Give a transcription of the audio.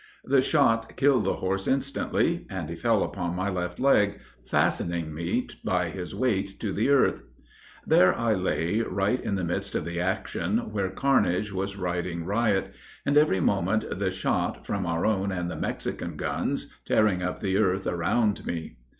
The shot killed the horse instantly, and he fell upon my left leg, fastening me by his weight to the earth. There I lay, right in the midst of the action, where carnage was riding riot, and every moment the shot, from our own and the Mexican guns, tearing up the earth around me.